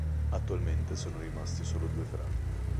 Attualmente sono rimasti solo due frati.